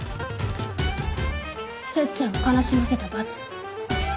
せっちゃんを悲しませた罰。